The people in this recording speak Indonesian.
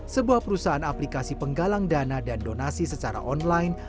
sebuah perusahaan aplikasi penggalang dana dan donasi secara online